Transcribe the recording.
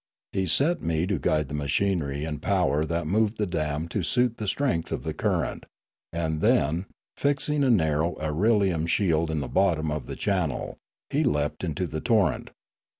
He set me to guide the 104 Limanora machinery and power that moved the dam to suit the strength of the current, and then, fixing a narrow irelium shield in the bottom of the channel, he leapt into the torrent.